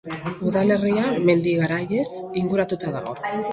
Udalerria mendi garaiez inguratuta dago.